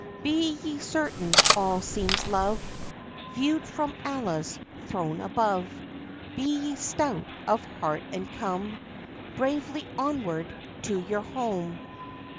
Be ye certain all seems love, Viewed from Allah's throne above; Be ye stout of heart, and come Bravely onward to your home!